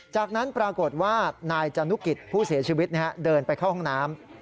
จากนั้นปรากฏว่านายจนุกิจผู้เสียชีวิตเดินไปเข้าห้องน้ำ